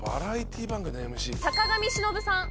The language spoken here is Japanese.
坂上忍さん。